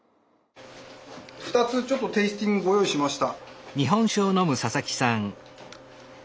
２つちょっとテイスティングご用意しました。